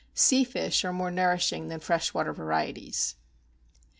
Sea fish are more nourishing than fresh water varieties.